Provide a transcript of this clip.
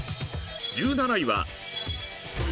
１７位は。